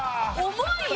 重いよ